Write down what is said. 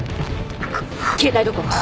携帯どこ？